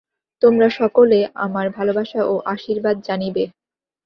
তোমরা সকলে আমার ভালবাসা ও আশীর্বাদ জানিবে।